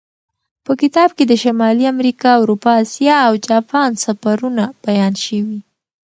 په کتاب کې د شمالي امریکا، اروپا، اسیا او جاپان سفرونه بیان شوي.